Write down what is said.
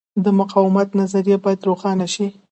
د مقاومت نظریه باید روښانه شي.